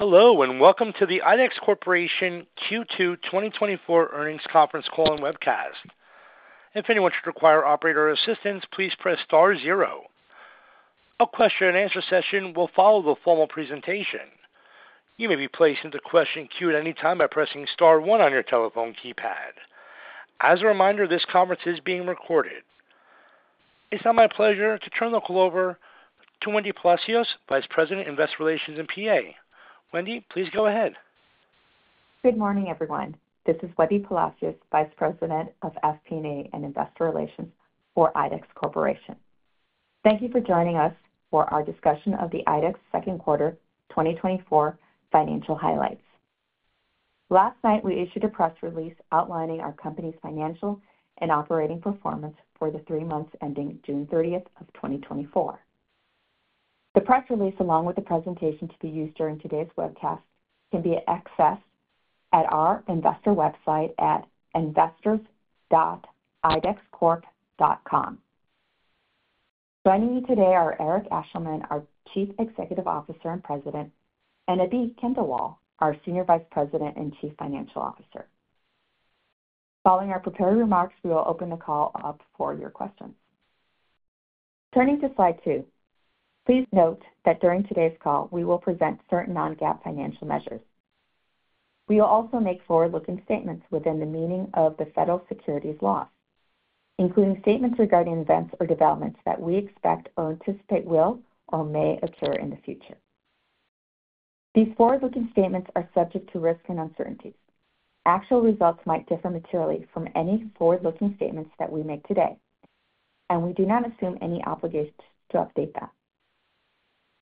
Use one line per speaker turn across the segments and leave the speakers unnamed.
Hello, and welcome to the IDEX Corporation Q2 2024 Earnings Conference Call and Webcast. If anyone should require operator assistance, please press star zero. A question-and-answer session will follow the formal presentation. You may be placed into question queue at any time by pressing star one on your telephone keypad. As a reminder, this conference is being recorded. It's now my pleasure to turn the call over to Wendy Palacios, Vice President, Investor Relations in PA. Wendy, please go ahead.
Good morning, everyone. This is Wendy Palacios, Vice President of FP&A and Investor Relations for IDEX Corporation. Thank you for joining us for our discussion of the IDEX Q2 2024 financial highlights. Last night, we issued a press release outlining our company's financial and operating performance for the three months ending June 30 of 2024. The press release, along with the presentation to be used during today's webcast, can be accessed at our investor website at investors.idexcorp.com. Joining me today are Eric Ashleman, our Chief Executive Officer and President, and Abhi Khandelwal, our Senior Vice President and Chief Financial Officer. Following our prepared remarks, we will open the call up for your questions. Turning to slide 2. Please note that during today's call, we will present certain non-GAAP financial measures. We will also make forward-looking statements within the meaning of the federal securities law, including statements regarding events or developments that we expect or anticipate will or may occur in the future. These forward-looking statements are subject to risks and uncertainties. Actual results might differ materially from any forward-looking statements that we make today, and we do not assume any obligation to update that.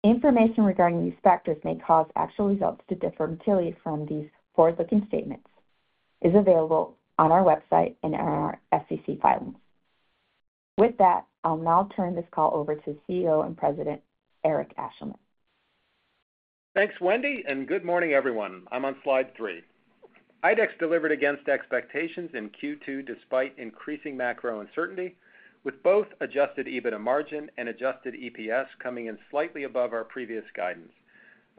Information regarding these factors may cause actual results to differ materially from these forward-looking statements is available on our website and in our SEC filings. With that, I'll now turn this call over to CEO and President, Eric Ashleman.
Thanks, Wendy, and good morning, everyone. I'm on slide three. IDEX delivered against expectations in Q2 despite increasing macro uncertainty, with both Adjusted EBITDA margin and Adjusted EPS coming in slightly above our previous guidance.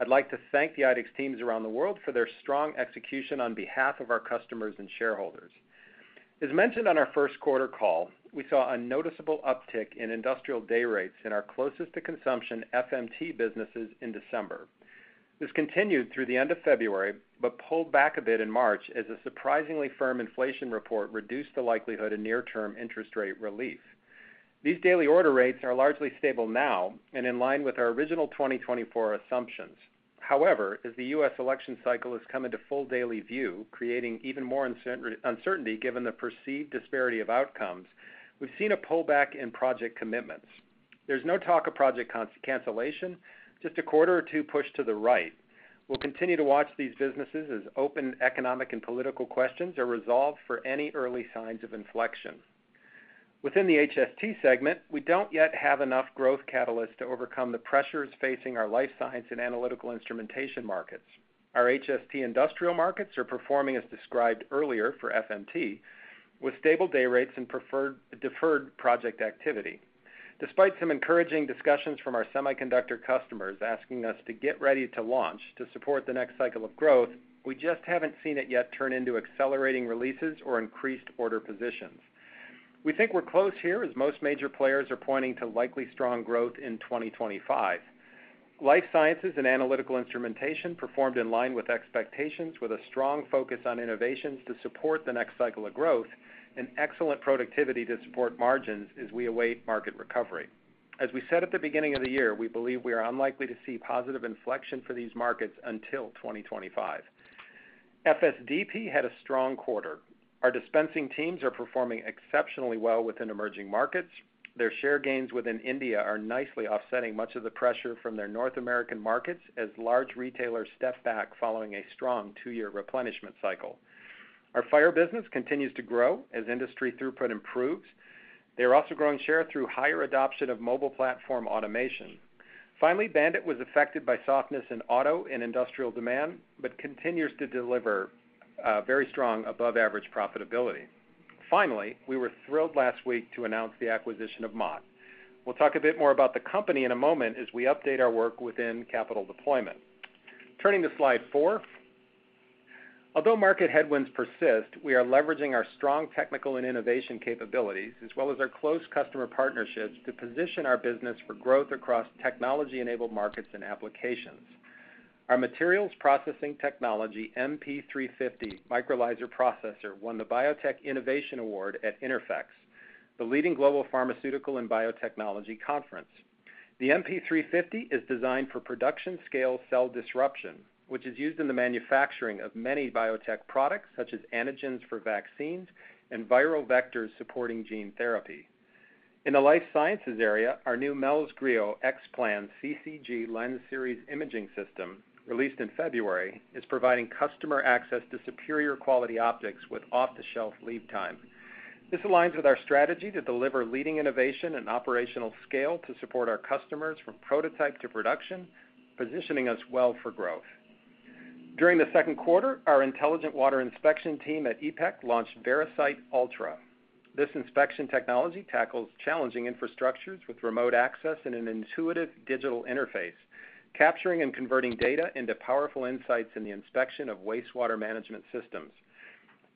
I'd like to thank the IDEX teams around the world for their strong execution on behalf of our customers and shareholders. As mentioned on our Q1 call, we saw a noticeable uptick in industrial day rates in our closest to consumption FMT businesses in December. This continued through the end of February, but pulled back a bit in March as a surprisingly firm inflation report reduced the likelihood of near-term interest rate relief. These daily order rates are largely stable now and in line with our original 2024 assumptions. However, as the U.S. election cycle has come into full daily view, creating even more uncertainty given the perceived disparity of outcomes, we've seen a pullback in project commitments. There's no talk of project cancellation, just a quarter or two pushed to the right. We'll continue to watch these businesses as open economic and political questions are resolved for any early signs of inflection. Within the HST segment, we don't yet have enough growth catalysts to overcome the pressures facing our life science and analytical instrumentation markets. Our HST industrial markets are performing as described earlier for FMT, with stable day rates and deferred project activity. Despite some encouraging discussions from our semiconductor customers asking us to get ready to launch to support the next cycle of growth, we just haven't seen it yet turn into accelerating releases or increased order positions. We think we're close here, as most major players are pointing to likely strong growth in 2025. Life sciences and analytical instrumentation performed in line with expectations, with a strong focus on innovations to support the next cycle of growth and excellent productivity to support margins as we await market recovery. As we said at the beginning of the year, we believe we are unlikely to see positive inflection for these markets until 2025. FSDP had a strong quarter. Our dispensing teams are performing exceptionally well within emerging markets. Their share gains within India are nicely offsetting much of the pressure from their North American markets as large retailers step back following a strong two-year replenishment cycle. Our fire business continues to grow as industry throughput improves. They are also growing share through higher adoption of mobile platform automation. Finally, BAND-IT was affected by softness in auto and industrial demand, but continues to deliver very strong, above average profitability. Finally, we were thrilled last week to announce the acquisition of Mott. We'll talk a bit more about the company in a moment as we update our work within capital deployment. Turning to slide four. Although market headwinds persist, we are leveraging our strong technical and innovation capabilities, as well as our close customer partnerships, to position our business for growth across technology-enabled markets and applications. Our materials processing technology, MP350 Microfluidizer Processor, won the Biotech Innovation Award at INTERPHEX, the leading global pharmaceutical and biotechnology conference. The MP350 is designed for production-scale cell disruption, which is used in the manufacturing of many biotech products, such as antigens for vaccines and viral vectors supporting gene therapy. In the life sciences area, our new Melles Griot X-Plan CCG Lens Series Imaging System, released in February, is providing customer access to superior quality optics with off-the-shelf lead time. This aligns with our strategy to deliver leading innovation and operational scale to support our customers from prototype to production, positioning us well for growth. During the Q2, our intelligent water inspection team at iPEK launched Verisight Ultra. This inspection technology tackles challenging infrastructures with remote access and an intuitive digital interface, capturing and converting data into powerful insights in the inspection of wastewater management systems.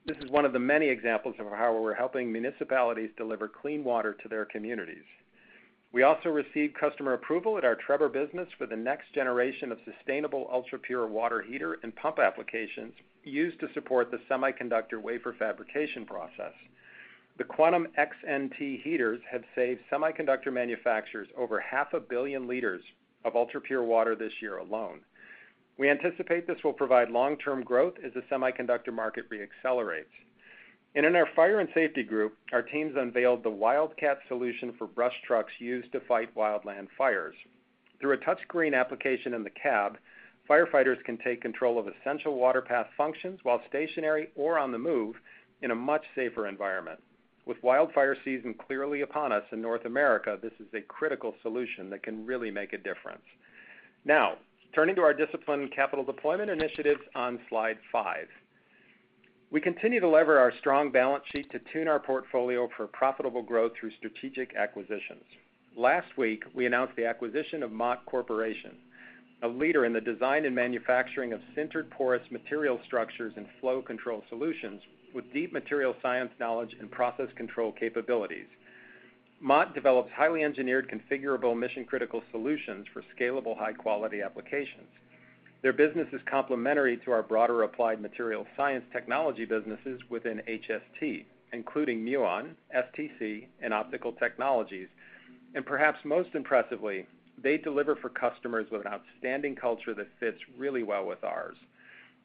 This is one of the many examples of how we're helping municipalities deliver clean water to their communities. We also received customer approval at our Trebor business for the next generation of sustainable, ultra-pure water heater and pump applications used to support the semiconductor wafer fabrication process. The Quantum NXT heaters have saved semiconductor manufacturers over 500 million liters of ultra-pure water this year alone. We anticipate this will provide long-term growth as the semiconductor market re-accelerates. In our fire and safety group, our teams unveiled the Wildcat solution for brush trucks used to fight wildland fires. Through a touch screen application in the cab, firefighters can take control of essential water path functions while stationary or on the move in a much safer environment. With wildfire season clearly upon us in North America, this is a critical solution that can really make a difference. Now, turning to our disciplined capital deployment initiatives on slide 5. We continue to leverage our strong balance sheet to tune our portfolio for profitable growth through strategic acquisitions. Last week, we announced the acquisition of Mott Corporation, a leader in the design and manufacturing of sintered porous material structures and flow control solutions, with deep material science knowledge and process control capabilities. Mott develops highly engineered, configurable, mission-critical solutions for scalable, high-quality applications. Their business is complementary to our broader applied material science technology businesses within HST, including Muon, STC, and Optical Technologies. And perhaps most impressively, they deliver for customers with an outstanding culture that fits really well with ours.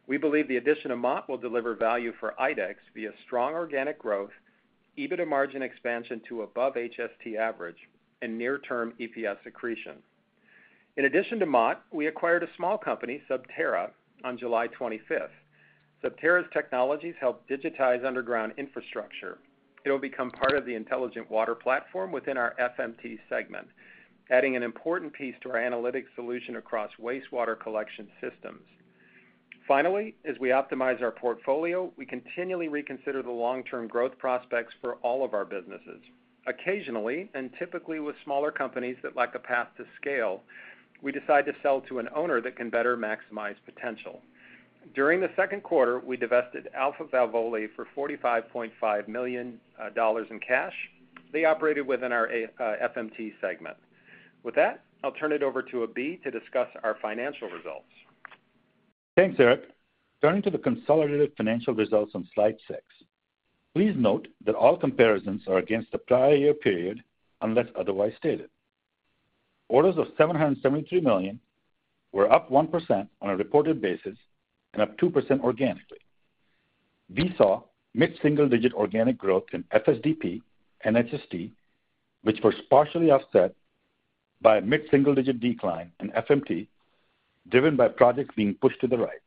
We believe the addition of Mott will deliver value for IDEX via strong organic growth, EBITDA margin expansion to above HST average, and near-term EPS accretion. In addition to Mott, we acquired a small company, Subterra, on July 25. Subterra's technologies help digitize underground infrastructure. It'll become part of the intelligent water platform within our FMT segment, adding an important piece to our analytics solution across wastewater collection systems. Finally, as we optimize our portfolio, we continually reconsider the long-term growth prospects for all of our businesses. Occasionally, and typically with smaller companies that lack a path to scale, we decide to sell to an owner that can better maximize potential. During the Q2, we divested Alpha Valvole for $45.5 million in cash. They operated within our FMT segment. With that, I'll turn it over to Abhi to discuss our financial results.
Thanks, Eric. Turning to the consolidated financial results on slide 6. Please note that all comparisons are against the prior year period, unless otherwise stated. Orders of $773 million were up 1% on a reported basis and up 2% organically. We saw mid-single-digit organic growth in FSDP and HST, which were partially offset by a mid-single-digit decline in FMT, driven by projects being pushed to the right.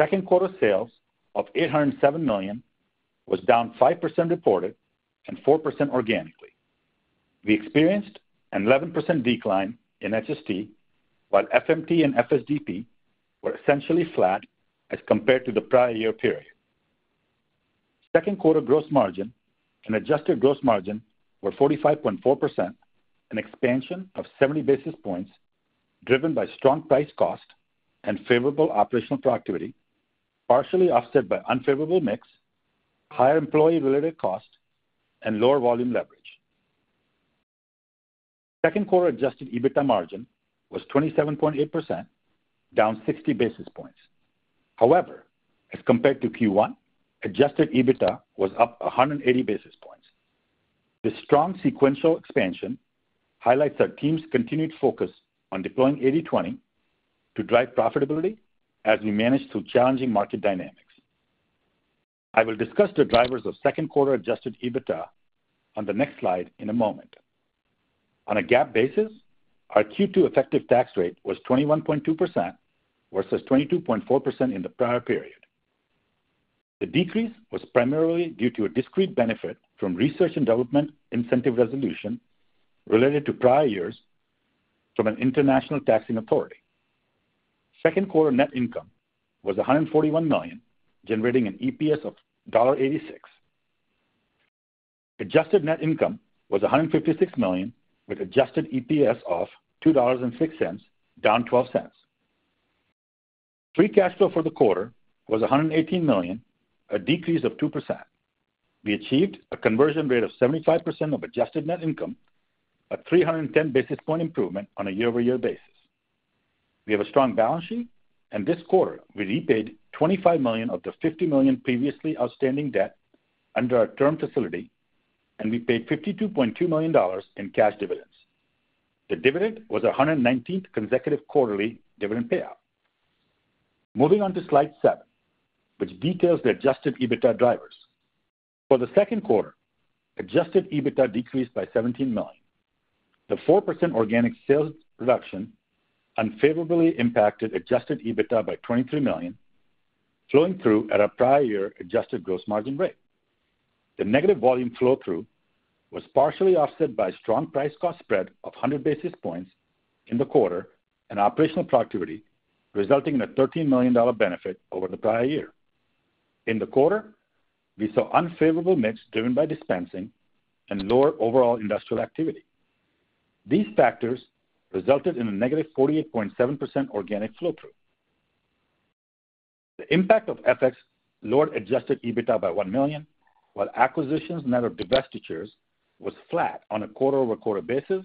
Q2 sales of $807 million was down 5% reported and 4% organically. We experienced an 11% decline in HST, while FMT and FSDP were essentially flat as compared to the prior year period. Q2 gross margin and adjusted gross margin were 45.4%, an expansion of 70 basis points, driven by strong price-cost and favorable operational productivity, partially offset by unfavorable mix, higher employee-related costs, and lower volume leverage. Q2 adjusted EBITDA margin was 27.8%, down 60 basis points. However, as compared to Q1, adjusted EBITDA was up 180 basis points. This strong sequential expansion highlights our team's continued focus on deploying 80/20 to drive profitability as we manage through challenging market dynamics. I will discuss the drivers of Q2 adjusted EBITDA on the next slide in a moment. On a GAAP basis, our Q2 effective tax rate was 21.2% versus 22.4% in the prior period. The decrease was primarily due to a discrete benefit from research and development incentive resolution related to prior years from an international taxing authority. Q2 net income was $141 million, generating an EPS of $0.86. Adjusted net income was $156 million, with adjusted EPS of $2.06, down 12 cents. Free cash flow for the quarter was $118 million, a decrease of 2%. We achieved a conversion rate of 75% of adjusted net income, a 310 basis point improvement on a year-over-year basis. We have a strong balance sheet, and this quarter, we repaid $25 million of the $50 million previously outstanding debt under our term facility, and we paid $52.2 million in cash dividends. The dividend was our 119th consecutive quarterly dividend payout. Moving on to slide 7, which details the adjusted EBITDA drivers. For the Q2, adjusted EBITDA decreased by $17 million. The 4% organic sales reduction unfavorably impacted adjusted EBITDA by $23 million, flowing through at our prior year adjusted gross margin rate. The negative volume flow-through was partially offset by strong price-cost spread of 100 basis points in the quarter and operational productivity, resulting in a $13 million benefit over the prior year. In the quarter, we saw unfavorable mix driven by dispensing and lower overall industrial activity. These factors resulted in a negative 48.7% organic flow-through. The impact of FX lowered adjusted EBITDA by $1 million, while acquisitions net of divestitures was flat on a quarter-over-quarter basis,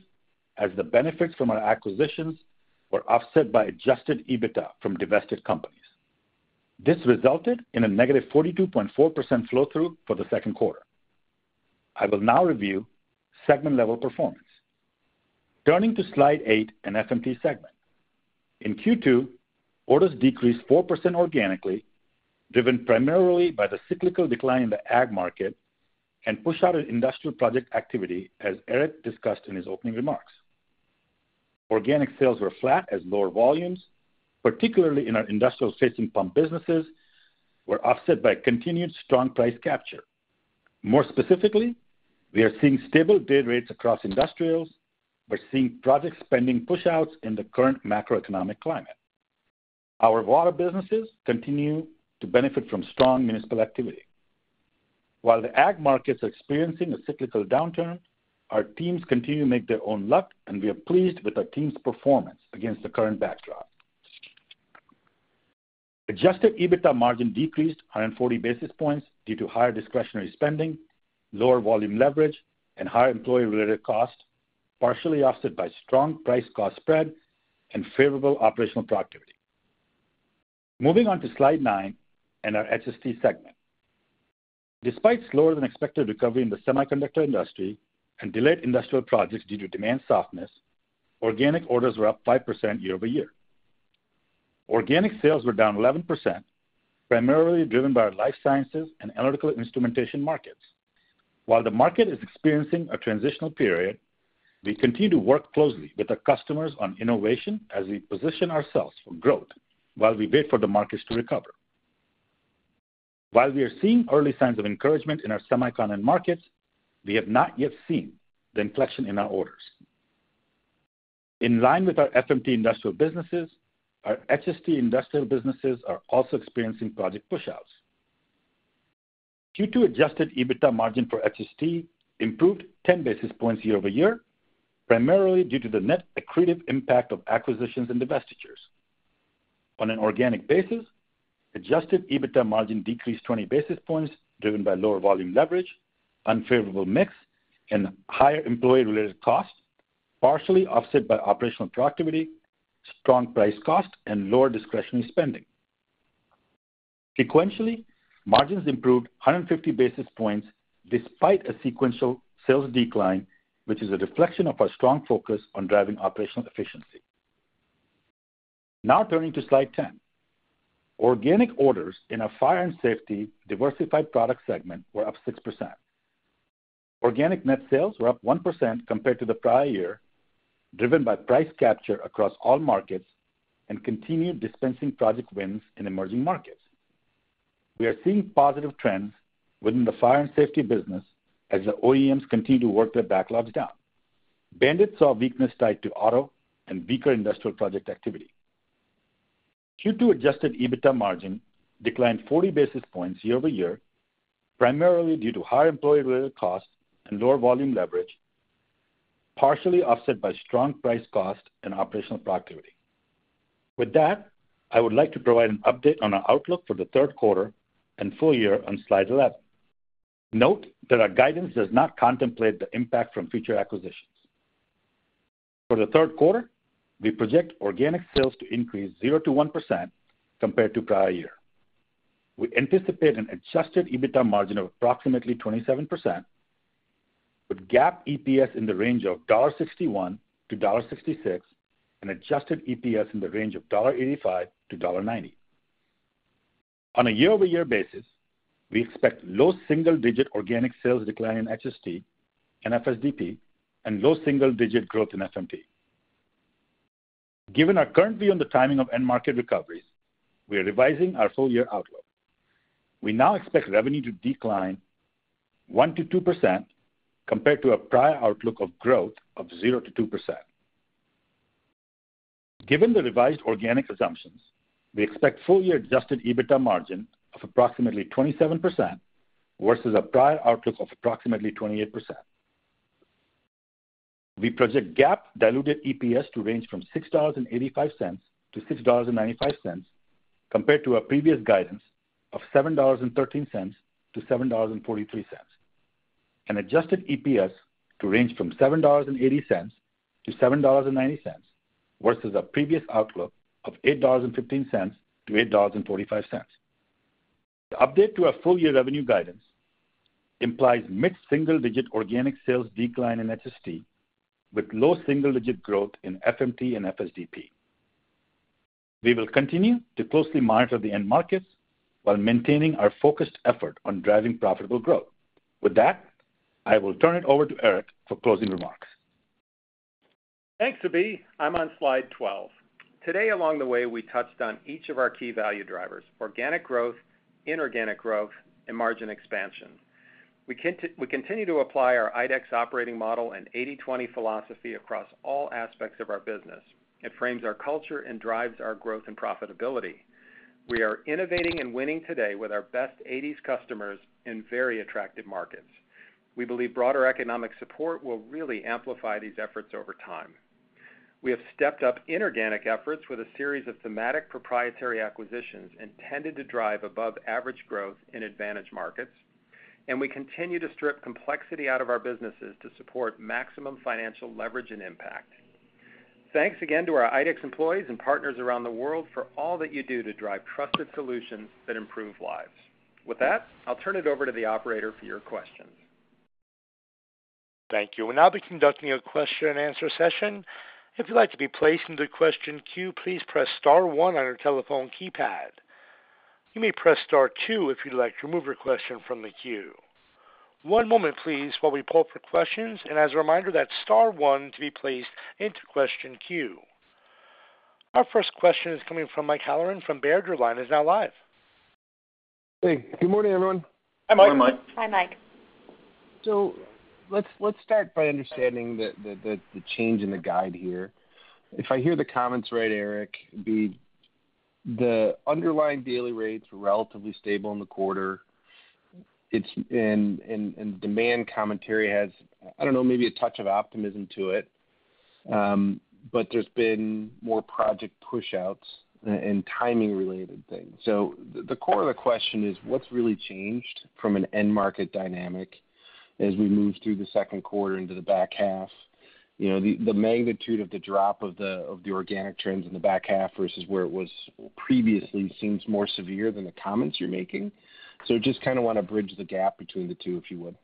as the benefits from our acquisitions were offset by adjusted EBITDA from divested companies. This resulted in a negative 42.4% flow-through for the Q2. I will now review segment-level performance. Turning to Slide 8 and FMT segment. In Q2, orders decreased 4% organically, driven primarily by the cyclical decline in the ag market and push out of industrial project activity, as Eric discussed in his opening remarks. Organic sales were flat as lower volumes, particularly in our industrial-facing pump businesses, were offset by continued strong price capture. More specifically, we are seeing stable bid rates across industrials. We're seeing project spending push-outs in the current macroeconomic climate. Our water businesses continue to benefit from strong municipal activity. While the ag markets are experiencing a cyclical downturn, our teams continue to make their own luck, and we are pleased with our team's performance against the current backdrop. Adjusted EBITDA margin decreased 100 basis points due to higher discretionary spending, lower volume leverage, and higher employee-related costs, partially offset by strong price-cost spread and favorable operational productivity. Moving on to Slide 9 and our HST segment. Despite slower-than-expected recovery in the semiconductor industry and delayed industrial projects due to demand softness, organic orders were up 5% year over year. Organic sales were down 11%, primarily driven by our life sciences and analytical instrumentation markets. While the market is experiencing a transitional period, we continue to work closely with our customers on innovation as we position ourselves for growth while we wait for the markets to recover. While we are seeing early signs of encouragement in our semicon end markets, we have not yet seen the inflection in our orders. In line with our FMT industrial businesses, our HST industrial businesses are also experiencing project pushouts. Q2 adjusted EBITDA margin for HST improved 10 basis points year-over-year, primarily due to the net accretive impact of acquisitions and divestitures. On an organic basis, adjusted EBITDA margin decreased 20 basis points, driven by lower volume leverage, unfavorable mix, and higher employee-related costs, partially offset by operational productivity, strong price-cost, and lower discretionary spending. Sequentially, margins improved 150 basis points despite a sequential sales decline, which is a reflection of our strong focus on driving operational efficiency. Now turning to Slide 10. Organic orders in our fire and safety diversified product segment were up 6%. Organic net sales were up 1% compared to the prior year, driven by price capture across all markets and continued dispensing project wins in emerging markets. We are seeing positive trends within the fire and safety business as the OEMs continue to work their backlogs down. BAND-IT saw weakness tied to auto and weaker industrial project activity. Q2 adjusted EBITDA margin declined 40 basis points year-over-year, primarily due to higher employee-related costs and lower volume leverage, partially offset by strong price-cost and operational productivity. With that, I would like to provide an update on our outlook for the Q3 and full year on Slide 11. Note that our guidance does not contemplate the impact from future acquisitions. For the Q3, we project organic sales to increase 0%-1% compared to prior year. We anticipate an adjusted EBITDA margin of approximately 27%, with GAAP EPS in the range of $1.61-$1.66, and adjusted EPS in the range of $1.85-$1.90. On a year-over-year basis, we expect low single-digit organic sales decline in HST and FSDP and low single-digit growth in FMT. Given our current view on the timing of end-market recoveries, we are revising our full-year outlook. We now expect revenue to decline 1%-2% compared to our prior outlook of growth of 0%-2%. Given the revised organic assumptions, we expect full-year adjusted EBITDA margin of approximately 27% versus a prior outlook of approximately 28%. We project GAAP diluted EPS to range from $6.85-$6.95, compared to our previous guidance of $7.13-$7.43, and adjusted EPS to range from $7.80-$7.90 versus our previous outlook of $8.15-$8.45. The update to our full-year revenue guidance implies mid-single-digit organic sales decline in HST, with low single-digit growth in FMT and FSDP. We will continue to closely monitor the end markets while maintaining our focused effort on driving profitable growth. With that, I will turn it over to Eric for closing remarks....
Thanks, Abhi. I'm on slide 12. Today, along the way, we touched on each of our key value drivers: organic growth, inorganic growth, and margin expansion. We continue to apply our IDEX operating model and 80/20 philosophy across all aspects of our business. It frames our culture and drives our growth and profitability. We are innovating and winning today with our best 80s customers in very attractive markets. We believe broader economic support will really amplify these efforts over time. We have stepped up inorganic efforts with a series of thematic proprietary acquisitions intended to drive above-average growth in advantage markets, and we continue to strip complexity out of our businesses to support maximum financial leverage and impact. Thanks again to our IDEX employees and partners around the world for all that you do to drive trusted solutions that improve lives. With that, I'll turn it over to the operator for your questions.
Thank you. We'll now be conducting a question-and-answer session. If you'd like to be placed into the question queue, please press star one on your telephone keypad. You may press star two if you'd like to remove your question from the queue. One moment, please, while we pull up for questions, and as a reminder, that's star one to be placed into question queue. Our first question is coming from Mike Halloran from Baird. Your line is now live.
Hey, good morning, everyone.
Hi, Mike.
Hi, Mike.
So let's start by understanding the change in the guide here. If I hear the comments right, Eric, it'd be the underlying daily rates were relatively stable in the quarter. Demand commentary has, I don't know, maybe a touch of optimism to it. But there's been more project pushouts and timing-related things. So the core of the question is, what's really changed from an end market dynamic as we move through the Q2 into the back half? You know, the magnitude of the drop of the organic trends in the back half versus where it was previously seems more severe than the comments you're making. So just kind of want to bridge the gap between the two, if you would.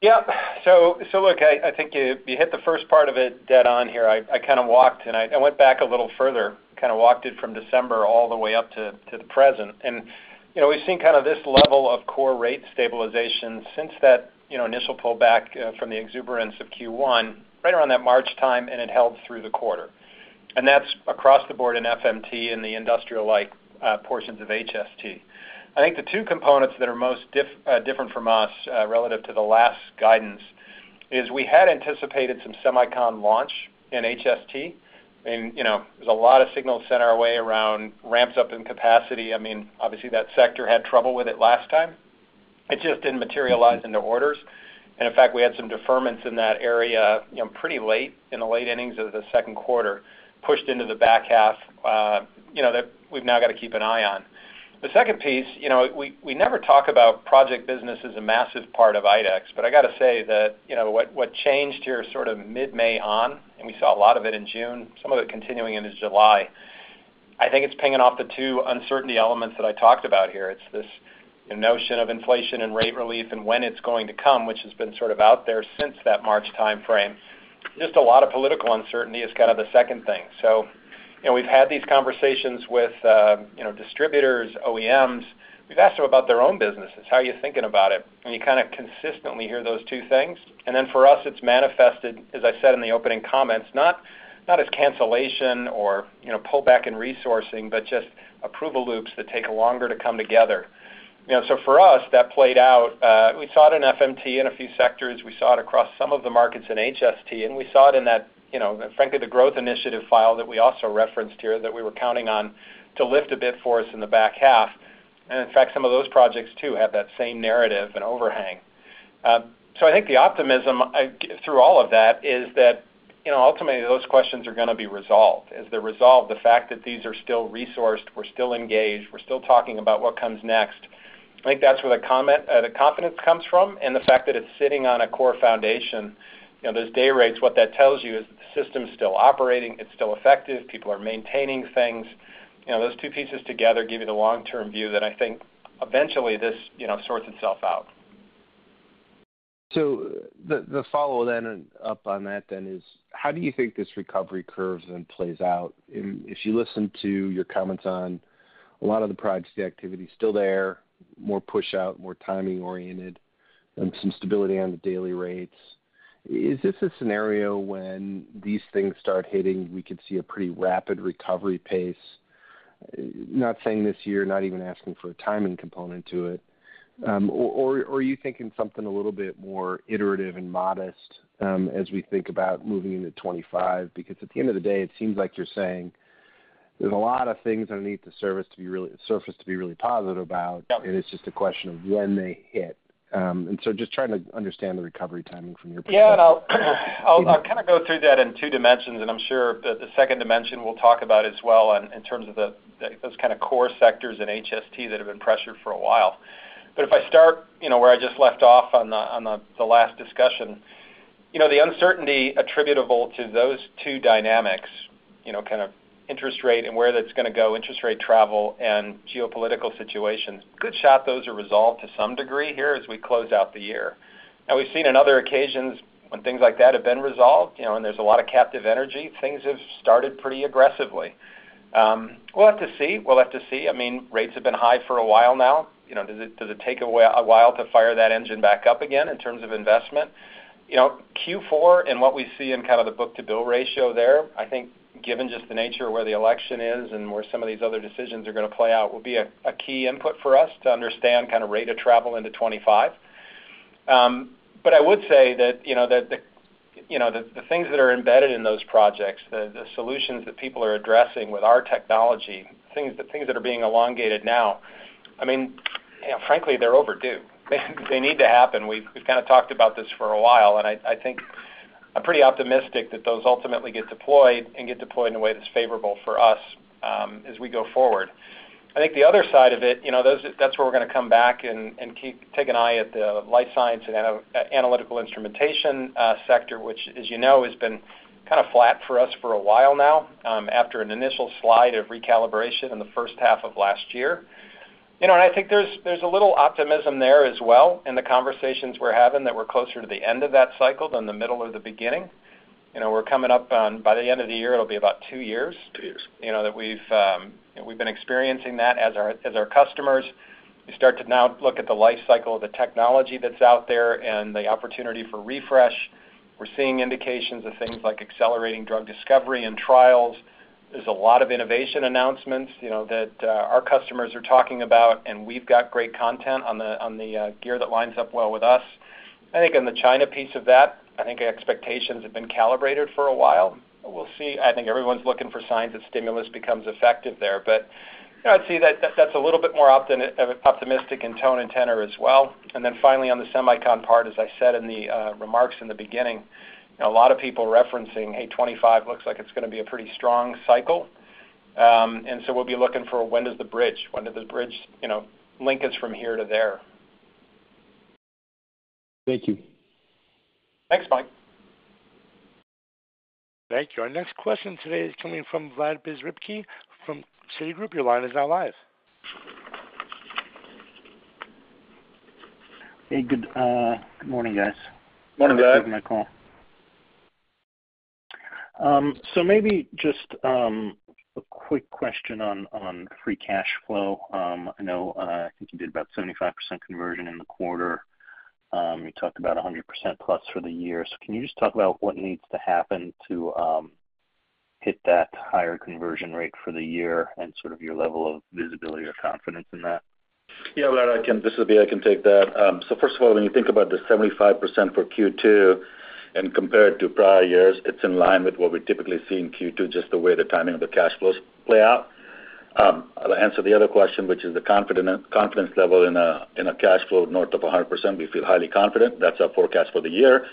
Yeah. So look, I think you hit the first part of it dead on here. I kind of walked, and I went back a little further, kind of walked it from December all the way up to the present. And, you know, we've seen kind of this level of core rate stabilization since that, you know, initial pullback from the exuberance of Q1, right around that March time, and it held through the quarter. And that's across the board in FMT and the industrial-like portions of HST. I think the two components that are most different from us relative to the last guidance is we had anticipated some semicon launch in HST. And, you know, there's a lot of signals sent our way around ramps up in capacity. I mean, obviously, that sector had trouble with it last time. It just didn't materialize into orders. In fact, we had some deferments in that area, you know, pretty late, in the late innings of the Q2, pushed into the back half, you know, that we've now got to keep an eye on. The second piece, you know, we never talk about project business as a massive part of IDEX, but I got to say that, you know, what changed here sort of mid-May on, and we saw a lot of it in June, some of it continuing into July. I think it's pinging off the two uncertainty elements that I talked about here. It's this notion of inflation and rate relief and when it's going to come, which has been sort of out there since that March timeframe. Just a lot of political uncertainty is kind of the second thing. So, you know, we've had these conversations with, you know, distributors, OEMs. We've asked them about their own businesses. How are you thinking about it? And you kind of consistently hear those two things. And then for us, it's manifested, as I said in the opening comments, not, not as cancellation or, you know, pullback in resourcing, but just approval loops that take longer to come together. You know, so for us, that played out, we saw it in FMT in a few sectors. We saw it across some of the markets in HST, and we saw it in that, you know, frankly, the growth initiative file that we also referenced here, that we were counting on to lift a bit for us in the back half. And in fact, some of those projects, too, have that same narrative and overhang. So, I think the optimism I get through all of that is that, you know, ultimately, those questions are going to be resolved. As they're resolved, the fact that these are still resourced, we're still engaged, we're still talking about what comes next, I think that's where the comment, the confidence comes from, and the fact that it's sitting on a core foundation. You know, those day rates, what that tells you is the system's still operating, it's still effective, people are maintaining things. You know, those two pieces together give you the long-term view that I think eventually this, you know, sorts itself out.
So the follow up on that is, how do you think this recovery curves and plays out? If you listen to your comments on a lot of the project activity still there, more pushout, more timing-oriented, and some stability on the daily rates, is this a scenario when these things start hitting, we could see a pretty rapid recovery pace? Not saying this year, not even asking for a timing component to it. Or are you thinking something a little bit more iterative and modest, as we think about moving into 2025? Because at the end of the day, it seems like you're saying there's a lot of things underneath the surface to be really positive about-
Yep.
and it's just a question of when they hit. And so just trying to understand the recovery timing from your perspective.
Yeah, and I'll kind of go through that in two dimensions, and I'm sure the second dimension we'll talk about as well in terms of those kind of core sectors in HST that have been pressured for a while. But if I start, you know, where I just left off on the last discussion, you know, the uncertainty attributable to those two dynamics, you know, kind of interest rate and where that's going to go, interest rate travel and geopolitical situations. Good shot those are resolved to some degree here as we close out the year. And we've seen on other occasions when things like that have been resolved, you know, and there's a lot of captive energy, things have started pretty aggressively. We'll have to see. We'll have to see. I mean, rates have been high for a while now. You know, does it take a while to fire that engine back up again in terms of investment? You know, Q4 and what we see in kind of the book-to-bill ratio there, I think, given just the nature of where the election is and where some of these other decisions are gonna play out, will be a key input for us to understand kind of rate of travel into 2025. But I would say that, you know, that the, you know, the, the things that are embedded in those projects, the, the solutions that people are addressing with our technology, things, the things that are being elongated now, I mean, you know, frankly, they're overdue. They need to happen. We've kind of talked about this for a while, and I think I'm pretty optimistic that those ultimately get deployed and get deployed in a way that's favorable for us, as we go forward. I think the other side of it, you know, that's where we're gonna come back and take an eye at the life science and analytical instrumentation sector, which, as you know, has been kind of flat for us for a while now, after an initial slide of recalibration in the first half of last year. You know, and I think there's a little optimism there as well in the conversations we're having, that we're closer to the end of that cycle than the middle or the beginning. You know, we're coming up on, by the end of the year, it'll be about two years-
Two years.
You know, that we've been experiencing that as our customers. We start to now look at the life cycle of the technology that's out there and the opportunity for refresh. We're seeing indications of things like accelerating drug discovery and trials. There's a lot of innovation announcements, you know, that our customers are talking about, and we've got great content on the gear that lines up well with us. I think on the China piece of that, I think expectations have been calibrated for a while. We'll see. I think everyone's looking for signs that stimulus becomes effective there. But, you know, I'd say that that's a little bit more optimistic in tone and tenor as well. And then finally, on the semicon part, as I said in the remarks in the beginning, you know, a lot of people referencing, "Hey, 2025 looks like it's gonna be a pretty strong cycle." And so we'll be looking for when does the bridge, when does the bridge, you know, link us from here to there?
Thank you.
Thanks, Mike.
Thank you. Our next question today is coming from Vlad Bystricky from Citigroup. Your line is now live.
Hey, good morning, guys.
Morning, Vlad.
Thanks for taking my call. So maybe just a quick question on free cash flow. I know, I think you did about 75% conversion in the quarter. You talked about 100% plus for the year. So can you just talk about what needs to happen to hit that higher conversion rate for the year and sort of your level of visibility or confidence in that?
Yeah, Vlad, I can... This is Abhi. I can take that. So first of all, when you think about the 75% for Q2 and compared to prior years, it's in line with what we typically see in Q2, just the way the timing of the cash flows play out. I'll answer the other question, which is the confidence level in a cash flow north of 100%, we feel highly confident. That's our forecast for the year.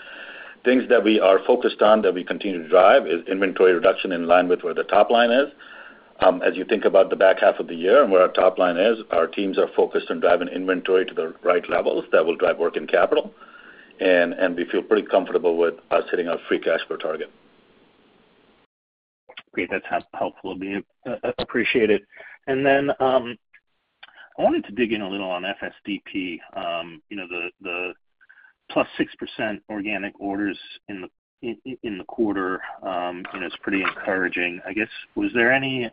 Things that we are focused on, that we continue to drive, is inventory reduction in line with where the top line is. As you think about the back half of the year and where our top line is, our teams are focused on driving inventory to the right levels that will drive working capital. We feel pretty comfortable with us hitting our free cash flow target.
Great. That's helpful, Abhi. Appreciate it. And then, I wanted to dig in a little on FSDP. You know, the +6% organic orders in the quarter is pretty encouraging. I guess, was there any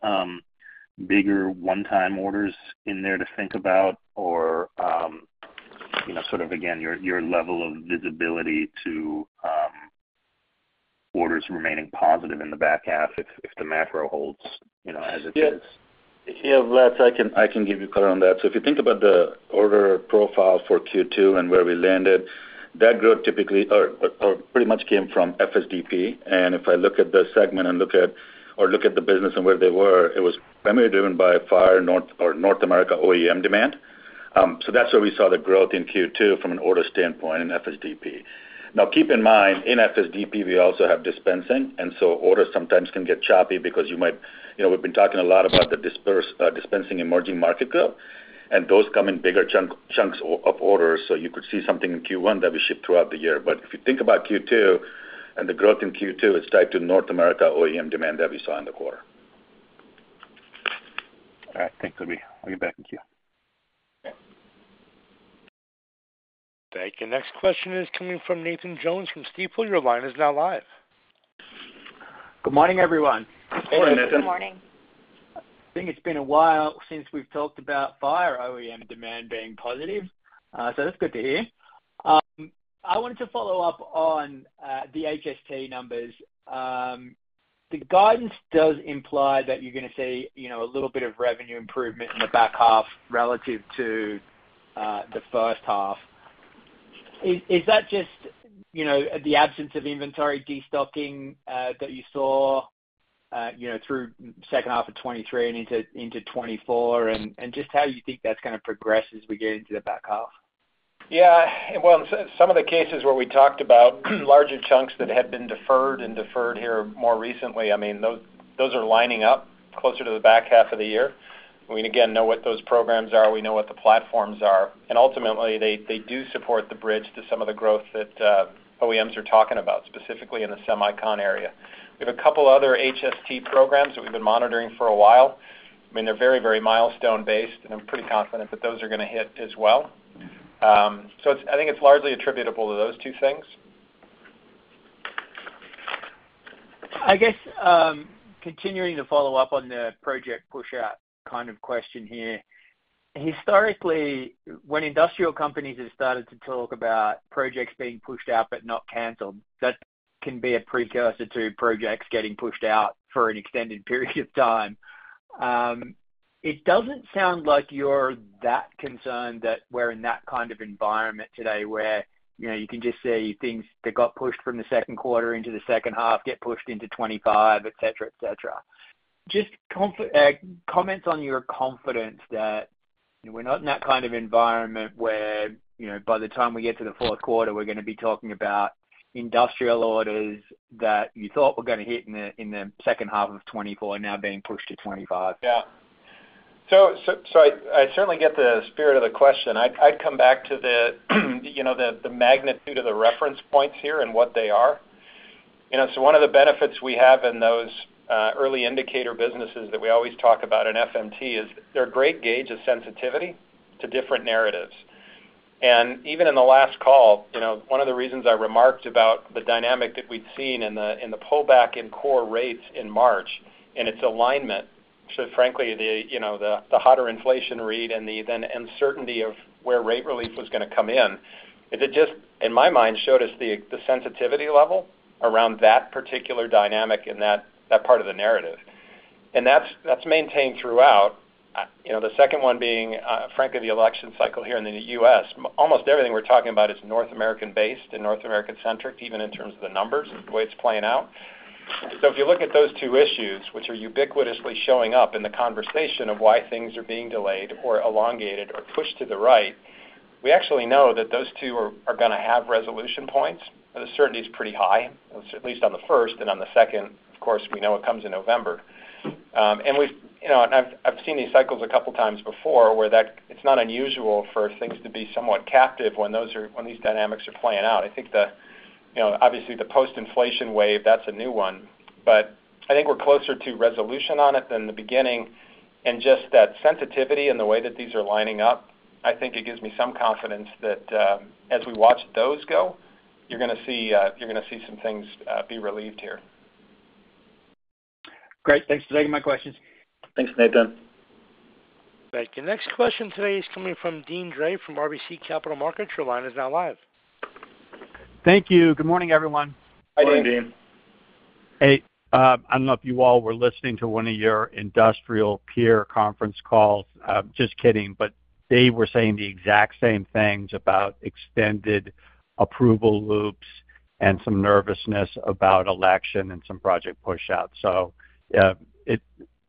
bigger one-time orders in there to think about or, you know, sort of again, your level of visibility to orders remaining positive in the back half if the macro holds, you know, as it is?
Yeah, yeah, Vlad, I can, I can give you color on that. So if you think about the order profile for Q2 and where we landed, that growth typically or pretty much came from FSDP. And if I look at the segment or look at the business and where they were, it was primarily driven by fire, North America OEM demand. So that's where we saw the growth in Q2 from an order standpoint in FSDP. Now, keep in mind, in FSDP, we also have dispensing, and so orders sometimes can get choppy because you might... You know, we've been talking a lot about the dispensing emerging market growth, and those come in bigger chunks of orders, so you could see something in Q1 that we ship throughout the year. But if you think about Q2, and the growth in Q2, it's tied to North America OEM demand that we saw in the quarter.
All right. Thanks, Abhi. I'll get back in queue.
Yeah.
Thank you. Next question is coming from Nathan Jones from Stifel. Your line is now live.
Good morning, everyone.
Morning, Nathan.
Good morning.
I think it's been a while since we've talked about fire OEM demand being positive, so that's good to hear. I wanted to follow up on the HST numbers. The guidance does imply that you're gonna see, you know, a little bit of revenue improvement in the back half relative to the first half. Is that just, you know, the absence of inventory destocking that you saw, you know, through second half of 2023 and into 2024, and just how you think that's gonna progress as we get into the back half?
Yeah. Well, some of the cases where we talked about larger chunks that had been deferred and deferred here more recently, I mean, those, those are lining up closer to the back half of the year. We, again, know what those programs are, we know what the platforms are, and ultimately, they, they do support the bridge to some of the growth that OEMs are talking about, specifically in the semicon area. We have a couple other HST programs that we've been monitoring for a while. I mean, they're very, very milestone based, and I'm pretty confident that those are gonna hit as well. So I think it's largely attributable to those two things....
I guess, continuing to follow up on the project pushout kind of question here. Historically, when industrial companies have started to talk about projects being pushed out but not canceled, that can be a precursor to projects getting pushed out for an extended period of time. It doesn't sound like you're that concerned that we're in that kind of environment today, where, you know, you can just see things that got pushed from the Q2 into the second half, get pushed into 2025, et cetera, et cetera. Just comments on your confidence that, you know, we're not in that kind of environment where, you know, by the time we get to the Q4, we're gonna be talking about industrial orders that you thought were gonna hit in the second half of 2024 are now being pushed to 2025?
Yeah. So, I certainly get the spirit of the question. I'd come back to the, you know, the magnitude of the reference points here and what they are. You know, so one of the benefits we have in those early indicator businesses that we always talk about in FMT is they're a great gauge of sensitivity to different narratives. And even in the last call, you know, one of the reasons I remarked about the dynamic that we'd seen in the pullback in core rates in March, and its alignment to, frankly, the hotter inflation read and the then uncertainty of where rate relief was gonna come in, is it just, in my mind, showed us the sensitivity level around that particular dynamic and that part of the narrative. And that's maintained throughout. You know, the second one being, frankly, the election cycle here in the U.S. Almost everything we're talking about is North American based and North American centric, even in terms of the numbers, the way it's playing out. So if you look at those two issues, which are ubiquitously showing up in the conversation of why things are being delayed or elongated or pushed to the right, we actually know that those two are, are gonna have resolution points. The certainty is pretty high, at least on the first, and on the second, of course, we know it comes in November. And we've... You know, and I've, I've seen these cycles a couple times before, where that it's not unusual for things to be somewhat captive when those are, when these dynamics are playing out. I think the, you know, obviously, the post-inflation wave, that's a new one, but I think we're closer to resolution on it than the beginning. And just that sensitivity and the way that these are lining up, I think it gives me some confidence that, as we watch those go, you're gonna see, you're gonna see some things, be relieved here.
Great. Thanks for taking my questions.
Thanks, Nathan.
Thank you. Next question today is coming from Deane Dray from RBC Capital Markets. Your line is now live.
Thank you. Good morning, everyone.
Hi, Dean.
Good morning, Dean.
Hey, I don't know if you all were listening to one of your industrial peer conference calls. Just kidding, but they were saying the exact same things about extended approval loops and some nervousness about election and some project pushout. So,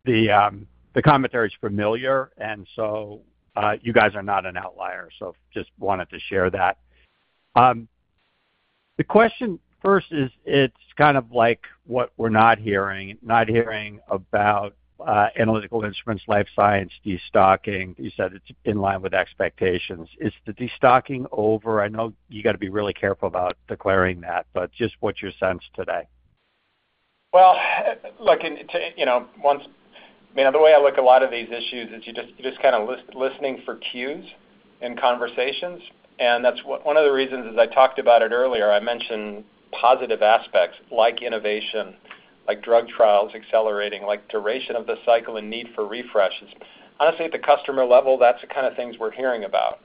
the commentary is familiar, and so, you guys are not an outlier, so just wanted to share that. The question first is, it's kind of like what we're not hearing, not hearing about, analytical instruments, life science, destocking. You said it's in line with expectations. Is the destocking over? I know you got to be really careful about declaring that, but just what's your sense today?
Well, look, you know, man, the way I look at a lot of these issues is you're just kind of listening for cues in conversations. And that's one of the reasons, as I talked about it earlier, I mentioned positive aspects like innovation, like drug trials accelerating, like duration of the cycle and need for refreshes. Honestly, at the customer level, that's the kind of things we're hearing about.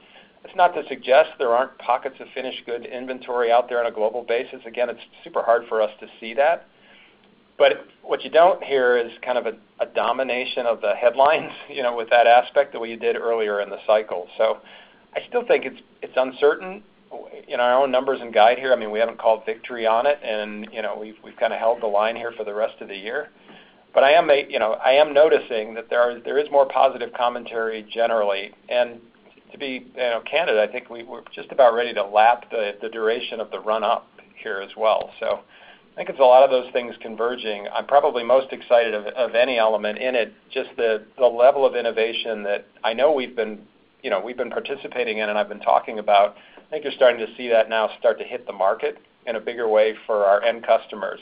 It's not to suggest there aren't pockets of finished good inventory out there on a global basis. Again, it's super hard for us to see that. But what you don't hear is kind of a domination of the headlines, you know, with that aspect, the way you did earlier in the cycle. So I still think it's uncertain. In our own numbers and guide here, I mean, we haven't called victory on it, and, you know, we've kind of held the line here for the rest of the year. But I am, you know, noticing that there is more positive commentary generally. And to be, you know, candid, I think we're just about ready to lap the duration of the run-up here as well. So I think it's a lot of those things converging. I'm probably most excited of any element in it, just the level of innovation that I know we've been, you know, participating in and I've been talking about. I think you're starting to see that now start to hit the market in a bigger way for our end customers.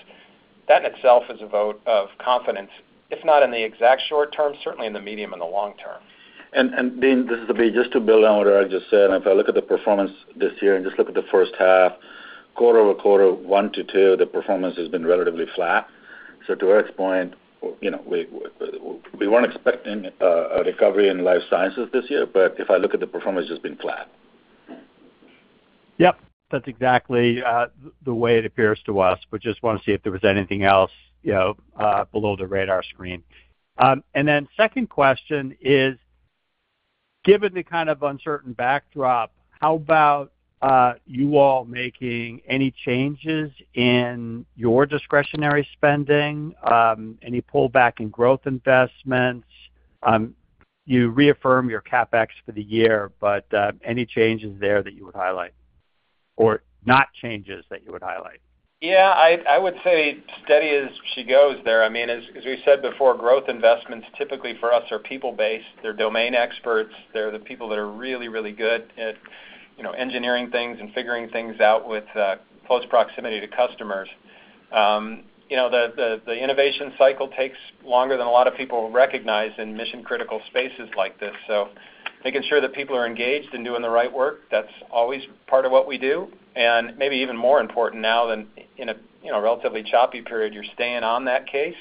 That in itself is a vote of confidence, if not in the exact short term, certainly in the medium and the long term.
Dean, this is Abhi. Just to build on what Eric just said, if I look at the performance this year and just look at the first half, quarter-over-quarter, 1 to 2, the performance has been relatively flat. So to Eric's point, you know, we, we weren't expecting a recovery in life sciences this year, but if I look at the performance, it's been flat.
Yep, that's exactly the way it appears to us, but just want to see if there was anything else, you know, below the radar screen. And then second question is: given the kind of uncertain backdrop, how about you all making any changes in your discretionary spending, any pullback in growth investments? You reaffirm your CapEx for the year, but any changes there that you would highlight, or not changes that you would highlight?
Yeah, I'd say steady as she goes there. I mean, as we said before, growth investments typically for us are people-based. They're domain experts. They're the people that are really, really good at, you know, engineering things and figuring things out with close proximity to customers. You know, the innovation cycle takes longer than a lot of people recognize in mission-critical spaces like this, so making sure that people are engaged and doing the right work, that's always part of what we do, and maybe even more important now than in a, you know, relatively choppy period, you're staying on that case,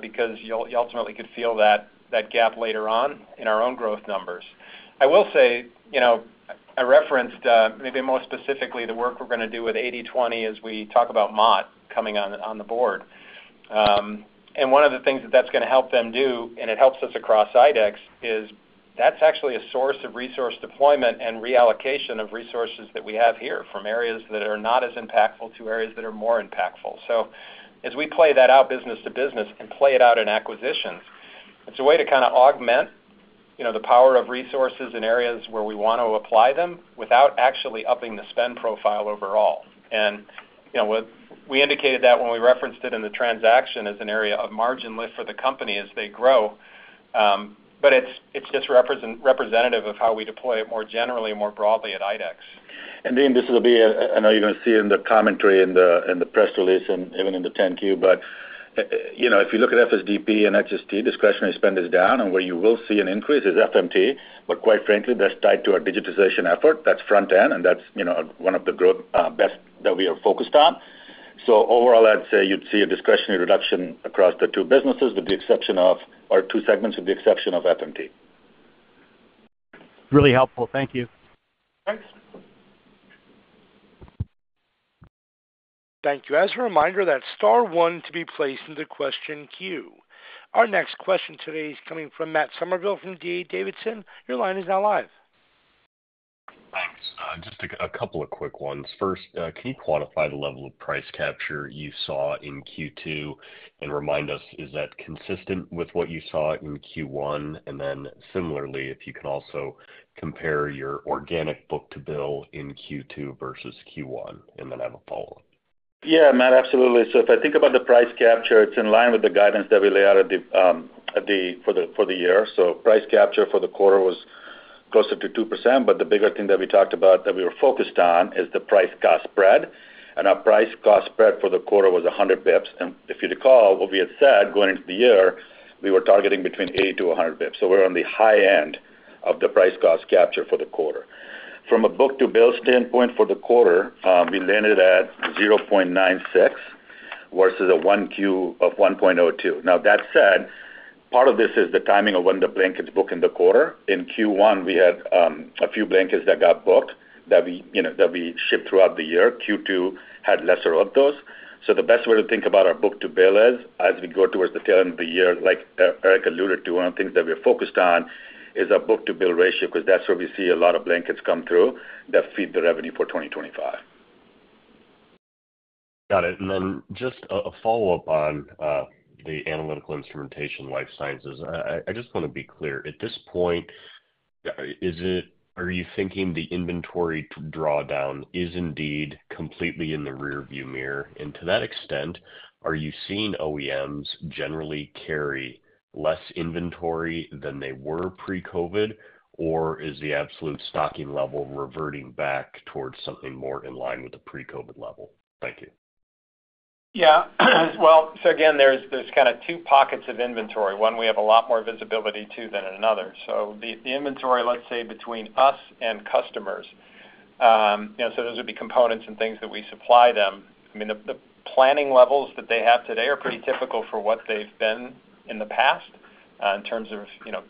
because you'll ultimately could feel that gap later on in our own growth numbers. I will say, you know, I referenced maybe more specifically, the work we're gonna do with 80/20 as we talk about Mott coming on board. And one of the things that that's gonna help them do, and it helps us across IDEX, is that's actually a source of resource deployment and reallocation of resources that we have here, from areas that are not as impactful to areas that are more impactful. So as we play that out business to business and play it out in acquisitions, it's a way to kind of augment, you know, the power of resources in areas where we want to apply them, without actually upping the spend profile overall. You know, with, we indicated that when we referenced it in the transaction as an area of margin lift for the company as they grow, but it's just representative of how we deploy it more generally and more broadly at IDEX.
Dean, this will be. I know you're gonna see it in the commentary in the press release and even in the 10-Q. But you know, if you look at FSDP and HST, discretionary spend is down, and where you will see an increase is FMT. But quite frankly, that's tied to our digitization effort. That's front end, and that's, you know, one of the growth bets that we are focused on. So overall, I'd say you'd see a discretionary reduction across the two businesses, with the exception of... Or two segments, with the exception of FMT.
Really helpful. Thank you.
Thanks.
Thank you. As a reminder, that's star one to be placed in the question queue. Our next question today is coming from Matt Summerville from D.A. Davidson. Your line is now live.
Thanks. Just a couple of quick ones. First, can you quantify the level of price capture you saw in Q2? And remind us, is that consistent with what you saw in Q1? And then similarly, if you can also compare your organic book-to-bill in Q2 versus Q1, and then I have a follow-up.
Yeah, Matt, absolutely. So if I think about the price capture, it's in line with the guidance that we laid out at the for the year. So price capture for the quarter was closer to 2%, but the bigger thing that we talked about, that we were focused on, is the price-cost spread, and our price-cost spread for the quarter was 100 basis points. And if you recall, what we had said, going into the year, we were targeting between 80 to 100 basis points. So we're on the high end of the price-cost capture for the quarter. From a book-to-bill standpoint for the quarter, we landed at 0.96 versus a 1Q of 1.02. Now, that said, part of this is the timing of when the blanket's booked in the quarter. In Q1, we had a few blankets that got booked that we, you know, that we shipped throughout the year. Q2 had lesser of those. So the best way to think about our book-to-bill is, as we go towards the tail end of the year, like, Eric alluded to, one of the things that we're focused on is our book-to-bill ratio, 'cause that's where we see a lot of blankets come through that feed the revenue for 2025.
Got it. And then just a follow-up on the analytical instrumentation life sciences. I just wanna be clear. At this point, is it—are you thinking the inventory drawdown is indeed completely in the rearview mirror? And to that extent, are you seeing OEMs generally carry less inventory than they were pre-COVID, or is the absolute stocking level reverting back towards something more in line with the pre-COVID level? Thank you.
Yeah. Well, so again, there's kind of two pockets of inventory. One, we have a lot more visibility to than in another. So the inventory, let's say, between us and customers, you know, so those would be components and things that we supply them. I mean, the planning levels that they have today are pretty typical for what they've been in the past, in terms of, you know,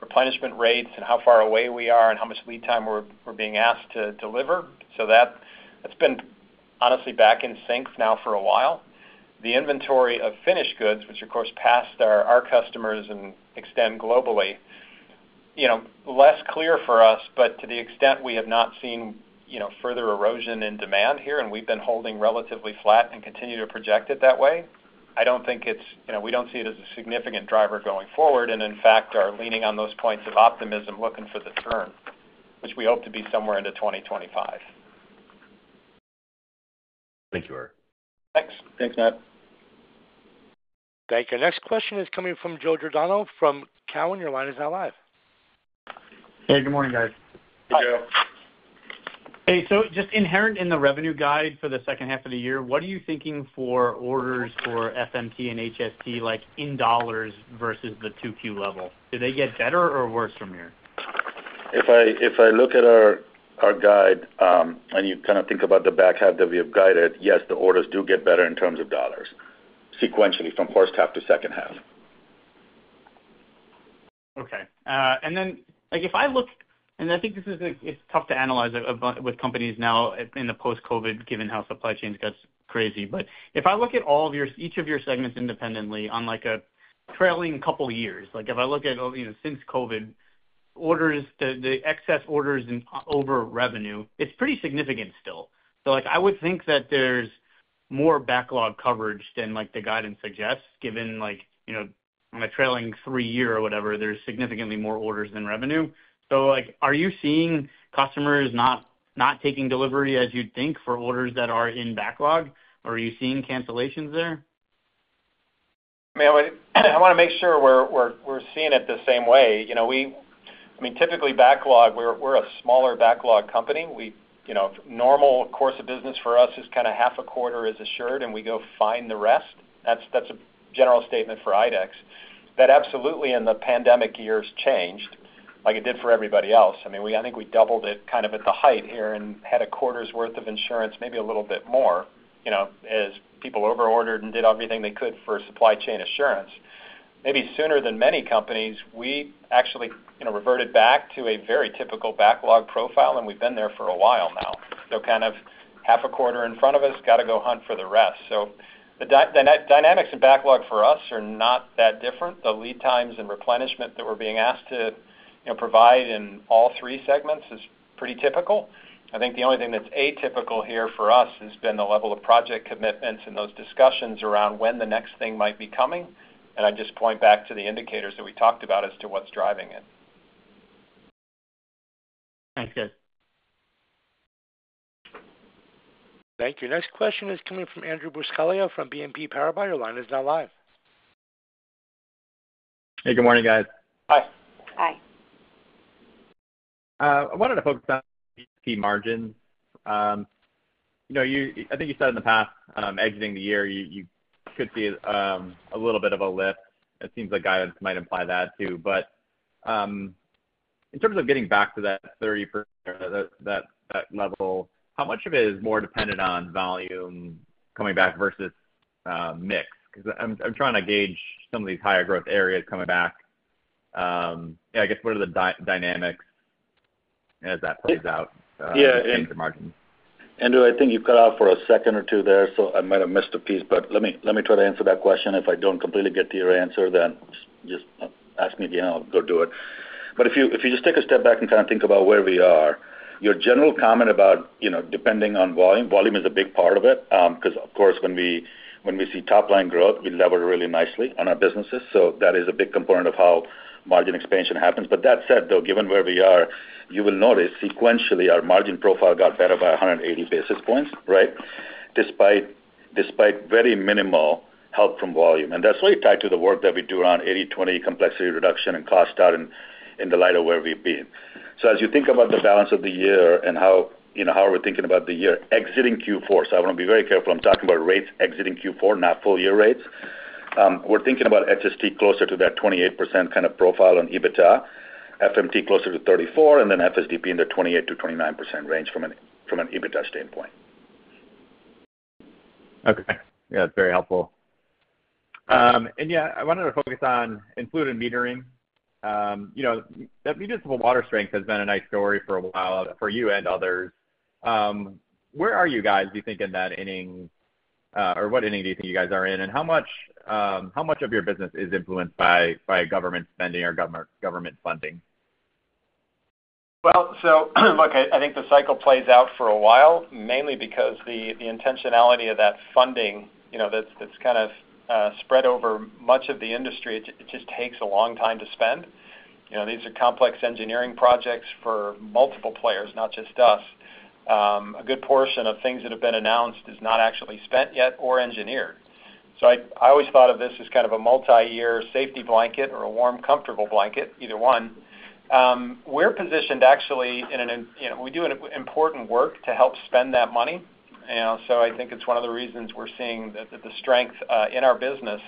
replenishment rates and how far away we are and how much lead time we're being asked to deliver. So that, it's been honestly back in sync now for a while. The inventory of finished goods, which of course past our customers and extend globally, you know, less clear for us, but to the extent we have not seen, you know, further erosion in demand here, and we've been holding relatively flat and continue to project it that way, I don't think it's... You know, we don't see it as a significant driver going forward, and in fact are leaning on those points of optimism, looking for the turn, which we hope to be somewhere into 2025.
Thank you, Eric.
Thanks.
Thanks, Matt.
Thank you. Next question is coming from Joe Giordano from Cowen. Your line is now live.
Hey, good morning, guys.
Hey, Joe.
Hey, so just inherent in the revenue guide for the second half of the year, what are you thinking for orders for FMT and HST, like, in dollars versus the 2Q level? Do they get better or worse from here?
If I look at our guide, and you kind of think about the back half that we have guided, yes, the orders do get better in terms of dollars, sequentially, from first half to second half.
Okay, and then, like, if I look—and I think this is a, it's tough to analyze a, with companies now in the post-COVID, given how supply chains gets crazy. But if I look at all of your—each of your segments independently on, like, a trailing couple years, like, if I look at, oh, you know, since COVID, orders, the excess orders in over revenue, it's pretty significant still. So, like, I would think that there's more backlog coverage than, like, the guidance suggests, given, like, you know, on a trailing three-year or whatever, there's significantly more orders than revenue. So, like, are you seeing customers not taking delivery as you'd think for orders that are in backlog, or are you seeing cancellations there?
I mean, I wanna make sure we're seeing it the same way. You know, I mean, typically, backlog, we're a smaller backlog company. We, you know, normal course of business for us is kind of half a quarter is assured, and we go find the rest. That's a general statement for IDEX. That absolutely in the pandemic years changed, like it did for everybody else. I mean, I think we doubled it kind of at the height here and had a quarter's worth of insurance, maybe a little bit more, you know, as people over-ordered and did everything they could for supply chain assurance. Maybe sooner than many companies, we actually, you know, reverted back to a very typical backlog profile, and we've been there for a while now. So kind of half a quarter in front of us, gotta go hunt for the rest. So the net dynamics and backlog for us are not that different. The lead times and replenishment that we're being asked to, you know, provide in all three segments is pretty typical. I think the only thing that's atypical here for us has been the level of project commitments and those discussions around when the next thing might be coming. And I just point back to the indicators that we talked about as to what's driving it.
Thanks, good.
Thank you. Next question is coming from Andrew Buscaglio from BNP Paribas. Your line is now live.
Hey, good morning, guys.
Hi.
Hi.
I wanted to focus on margin. You know, I think you said in the past, exiting the year, you could see a little bit of a lift. It seems like guidance might imply that, too. But, in terms of getting back to that 30, that level, how much of it is more dependent on volume coming back versus, mix? 'Cause I'm trying to gauge some of these higher growth areas coming back. I guess, what are the dynamics as that plays out, in the margin?
Andrew, I think you cut out for a second or two there, so I might have missed a piece, but let me, let me try to answer that question. If I don't completely get to your answer, then just, just ask me again, I'll go do it. But if you, if you just take a step back and kind of think about where we are, your general comment about, you know, depending on volume, volume is a big part of it, because, of course, when we, when we see top line growth, we lever really nicely on our businesses, so that is a big component of how margin expansion happens. But that said, though, given where we are, you will notice sequentially, our margin profile got better by 180 basis points, right? Despite, despite very minimal help from volume. And that's really tied to the work that we do around 80/20 complexity reduction and cost out in, in the light of where we've been. So as you think about the balance of the year and how, you know, how we're thinking about the year, exiting Q4, so I want to be very careful. I'm talking about rates exiting Q4, not full year rates. We're thinking about HST closer to that 28% kind of profile on EBITDA, FMT closer to 34, and then FSDP in the 28%-29% range from an, from an EBITDA standpoint.
Okay. Yeah, that's very helpful. And yeah, I wanted to focus on fluid and metering. You know, the municipal water strength has been a nice story for a while for you and others. Where are you guys, do you think, in that inning, or what inning do you think you guys are in? And how much of your business is influenced by government spending or government funding?
Well, so, look, I think the cycle plays out for a while, mainly because the intentionality of that funding, you know, that's kind of spread over much of the industry. It just takes a long time to spend. You know, these are complex engineering projects for multiple players, not just us. A good portion of things that have been announced is not actually spent yet or engineered. So I always thought of this as kind of a multi-year safety blanket or a warm, comfortable blanket, either one. We're positioned actually in an, you know, we do an important work to help spend that money. So I think it's one of the reasons we're seeing the strength in our business.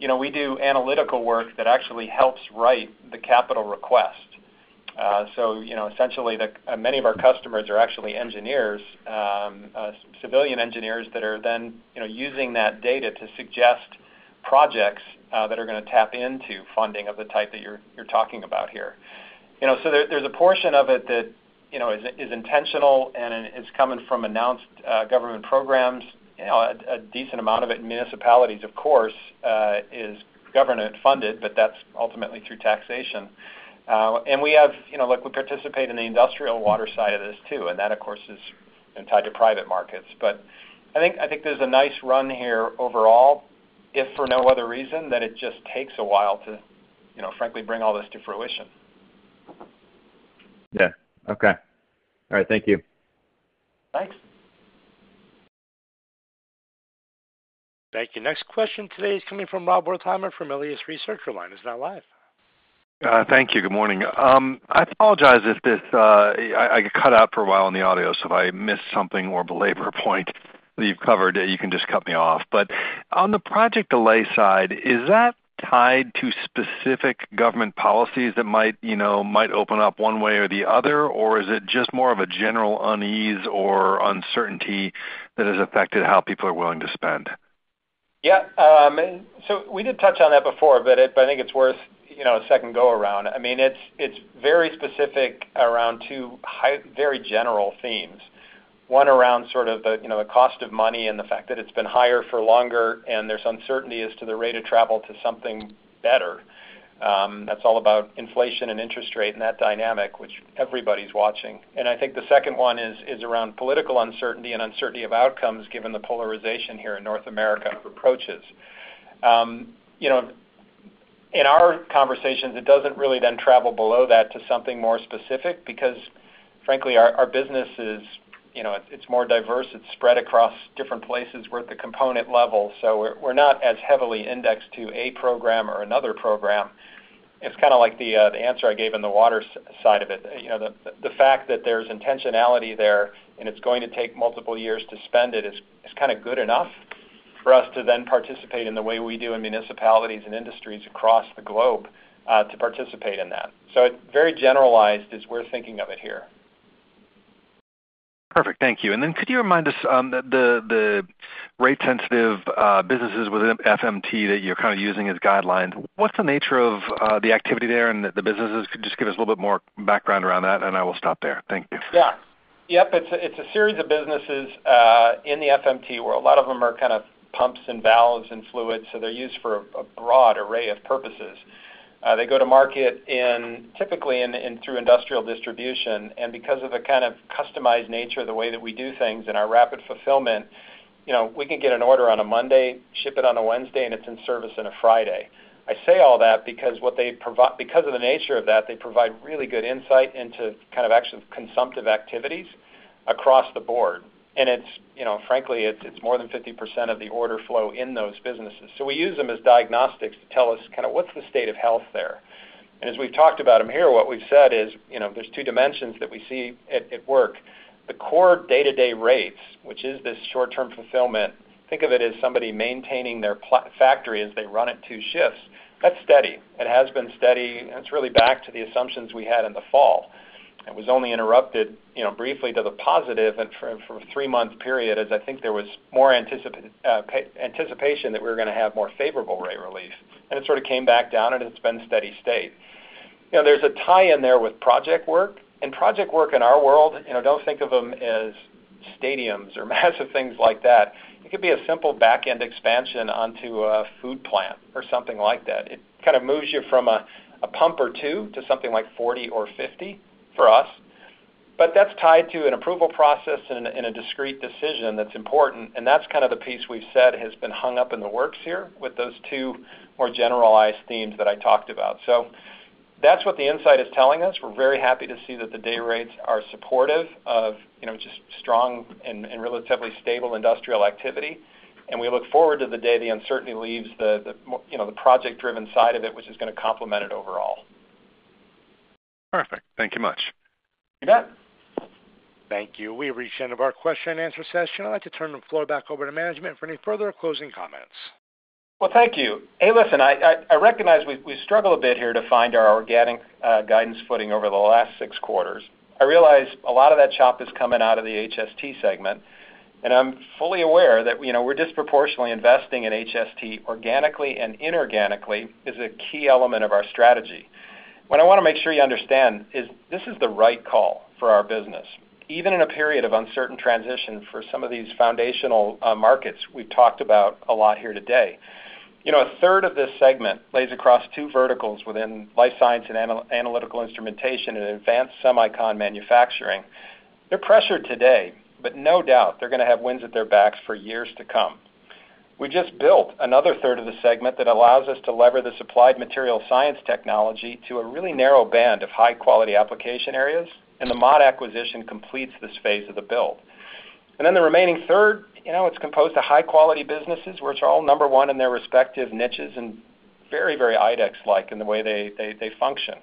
You know, we do analytical work that actually helps write the capital request. So, you know, essentially, the many of our customers are actually engineers, civilian engineers that are then, you know, using that data to suggest projects that are gonna tap into funding of the type that you're, you're talking about here. You know, so there, there's a portion of it that, you know, is, is intentional and is coming from announced government programs. You know, a, a decent amount of it in municipalities, of course, is government funded, but that's ultimately through taxation. And we have, you know, look, we participate in the industrial water side of this, too, and that, of course, is tied to private markets. But I think, I think there's a nice run here overall, if for no other reason, that it just takes a while to, you know, frankly, bring all this to fruition.
Yeah. Okay. All right. Thank you.
Thanks.
Thank you. Next question today is coming from Rob Wertheimer from Melius Research. Your line is now live.
Thank you. Good morning. I apologize if this, I got cut out for a while in the audio, so if I missed something or belabor a point that you've covered, you can just cut me off. But on the project delay side, is that tied to specific government policies that might, you know, might open up one way or the other? Or is it just more of a general unease or uncertainty that has affected how people are willing to spend?
Yeah, so we did touch on that before, but I think it's worth, you know, a second go around. I mean, it's very specific around two very general themes. One, around sort of the, you know, the cost of money and the fact that it's been higher for longer, and there's uncertainty as to the rate of travel to something better. That's all about inflation and interest rate and that dynamic, which everybody's watching. And I think the second one is around political uncertainty and uncertainty of outcomes, given the polarization here in North America approaches. You know, in our conversations, it doesn't really then travel below that to something more specific, because frankly, our business is, you know, it's more diverse. It's spread across different places. We're at the component level, so we're not as heavily indexed to a program or another program. It's kind of like the answer I gave in the water side of it. You know, the fact that there's intentionality there, and it's going to take multiple years to spend it, is kind of good enough for us to then participate in the way we do in municipalities and industries across the globe, to participate in that. So it's very generalized as we're thinking of it here.
Perfect. Thank you. And then could you remind us, the rate-sensitive businesses within FMT that you're kind of using as guidelines, what's the nature of the activity there and the businesses? Could you just give us a little bit more background around that, and I will stop there. Thank you.
Yeah. Yep, it's a, it's a series of businesses in the FMT world. A lot of them are kind of pumps and valves and fluids, so they're used for a, a broad array of purposes. They go to market typically in, in through industrial distribution, and because of the kind of customized nature of the way that we do things and our rapid fulfillment, you know, we can get an order on a Monday, ship it on a Wednesday, and it's in service on a Friday. I say all that because because of the nature of that, they provide really good insight into kind of actual consumptive activities across the board, and it's, you know, frankly, it's, it's more than 50% of the order flow in those businesses. So we use them as diagnostics to tell us kind of what's the state of health there. And as we've talked about them here, what we've said is, you know, there's two dimensions that we see at work. The core day-to-day rates, which is this short-term fulfillment, think of it as somebody maintaining their factory as they run it two shifts. That's steady. It has been steady, and it's really back to the assumptions we had in the fall, and was only interrupted, you know, briefly to the positive and for a three-month period, as I think there was more anticipation that we were gonna have more favorable rate relief. And it sort of came back down, and it's been steady state. You know, there's a tie-in there with project work, and project work in our world, you know, don't think of them as stadiums or massive things like that. It could be a simple back-end expansion onto a food plant or something like that. It kind of moves you from a pump or two to something like 40 or 50 for us. But that's tied to an approval process and, and a discrete decision that's important, and that's kind of the piece we've said has been hung up in the works here with those two more generalized themes that I talked about. So that's what the insight is telling us. We're very happy to see that the day rates are supportive of, you know, just strong and, and relatively stable industrial activity. We look forward to the day the uncertainty leaves the, you know, the project-driven side of it, which is gonna complement it overall.
Perfect. Thank you much.
You bet.
Thank you. We've reached the end of our question and answer session. I'd like to turn the floor back over to management for any further closing comments.
Well, thank you. Hey, listen, I recognize we struggle a bit here to find our organic guidance footing over the last six quarters. I realize a lot of that chop is coming out of the HST segment, and I'm fully aware that, you know, we're disproportionately investing in HST organically and inorganically, is a key element of our strategy. What I wanna make sure you understand is this is the right call for our business, even in a period of uncertain transition for some of these foundational markets we've talked about a lot here today. You know, a third of this segment lays across two verticals within life science and analytical instrumentation and advanced semicon manufacturing. They're pressured today, but no doubt, they're gonna have winds at their backs for years to come. We just built another third of the segment that allows us to leverage the applied material science technology to a really narrow band of high-quality application areas, and the Mott acquisition completes this phase of the build. And then the remaining third, you know, it's composed of high-quality businesses, which are all number one in their respective niches and very, very IDEX-like in the way they function.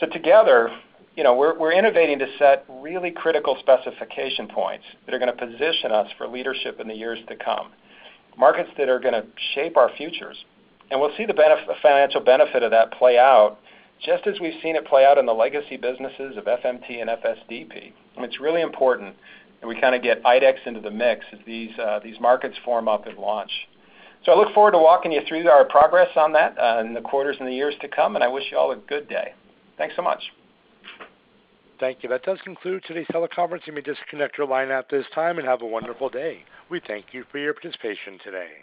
So together, you know, we're innovating to set really critical specification points that are gonna position us for leadership in the years to come, markets that are gonna shape our futures. And we'll see the financial benefit of that play out, just as we've seen it play out in the legacy businesses of FMT and FSDP. And it's really important, and we kind of get IDEX into the mix as these markets form up and launch. I look forward to walking you through our progress on that, in the quarters and the years to come, and I wish you all a good day. Thanks so much.
Thank you. That does conclude today's teleconference. You may disconnect your line at this time, and have a wonderful day. We thank you for your participation today.